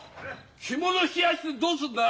着物冷やしてどうすんだよ！